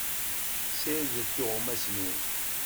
Ssirdet tuɣmas-nwen.